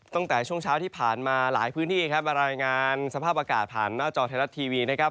ตั้งแต่ช่วงเช้าที่ผ่านมาหลายพื้นที่ครับมารายงานสภาพอากาศผ่านหน้าจอไทยรัฐทีวีนะครับ